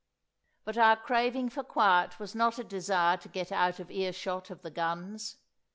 But our craving for quiet was not a desire to get out of earshot of the guns.